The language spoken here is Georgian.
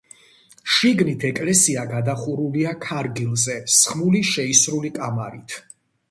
შიგნით ეკლესია გადახურულია ქარგილზე სხმული შეისრული კამარით.